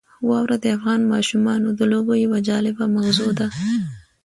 واوره د افغان ماشومانو د لوبو یوه جالبه موضوع ده.